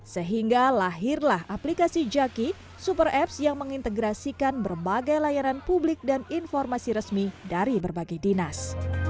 sehingga lahirlah aplikasi jaki super apps yang mengintegrasikan berbagai layanan publik dan informasi resmi dari berbagai dinas